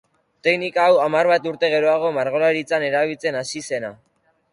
Teknika hau hamar bat urte geroago margolaritzan erabiltzen hasi zena.